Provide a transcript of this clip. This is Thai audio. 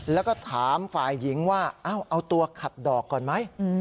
แล้วก็ถามฝ่ายหญิงว่าเอาตัวขัดดอกก่อนไหม